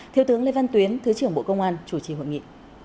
thiếu tướng lê văn tuyến thứ trưởng bộ công an chủ trì hội nghị